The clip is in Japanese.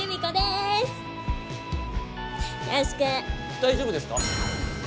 大丈夫ですか？